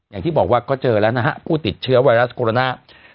อย่างที่บอกว่าก็เจอแล้วนะฮะผู้ติดเชื้อไวรัสโคโรนา